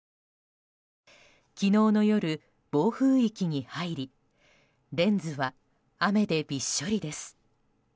昨日の夜、暴風域に入りレンズは雨でびっしょりです。